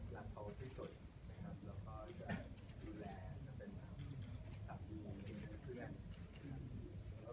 แล้วก็ไม่ได้หูหวาค่ะตั้งแต่วันแรกถึงวันนี้ก็เหมือนเดิม